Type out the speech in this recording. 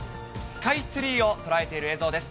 スカイツリーを捉えている映像です。